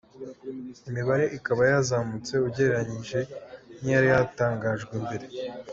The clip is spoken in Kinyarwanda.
Imibare ikaba yazamutse ugereranyije n’iyari yatangajwe mbere.